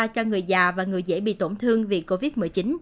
cho người già và người dễ bị tổn thương vì covid một mươi chín